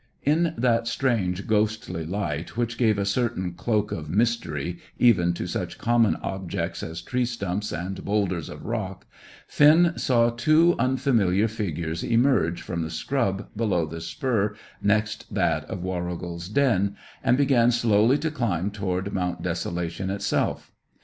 In that strange, ghostly light, which gave a certain cloak of mystery even to such common objects as tree stumps and boulders of rock, Finn saw two unfamiliar figures emerge from the scrub below the spur next that of Warrigal's den, and begin slowly to climb toward Mount Desolation itself.